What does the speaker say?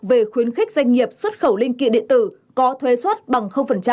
về khuyến khích doanh nghiệp xuất khẩu linh kiện điện tử có thuê xuất bằng